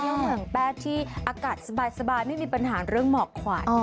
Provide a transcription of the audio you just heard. เรื่องของแป้ที่อากาศสบายไม่มีปัญหาเรื่องหมอกขวัญ